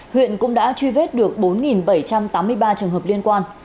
huyện cũng đã truy vết được bốn bảy trăm tám mươi ba trường hợp liên quan